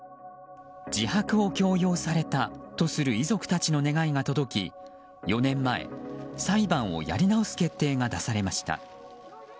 自白を強要されたとする遺族たちの願いが届き４年前、裁判をやり直す決定が出されました。